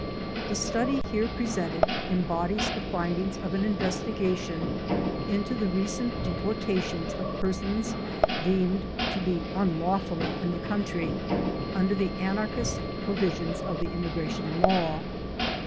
The study here presented embodies the findings of an investigation into the recent deportations of persons deemed to be unlawfully in the country, undcir the an archist provisions of the Immigration Law.